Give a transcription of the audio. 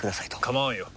構わんよ。